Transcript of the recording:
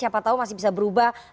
siapa tahu masih bisa berubah